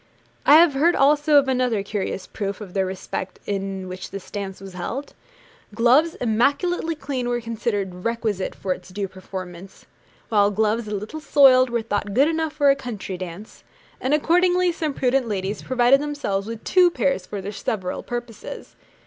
I have heard also of another curious proof of the respect in which this dance was held. Gloves immaculately clean were considered requisite for its due performance, while gloves a little soiled were thought good enough for a country dance; and accordingly some prudent ladies provided themselves with two pairs for their several purposes.